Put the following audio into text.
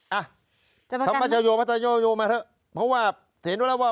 เอ้าทางพระธรโยมพระธรโยมมาเถอะเพราะว่าเห็นแล้วว่า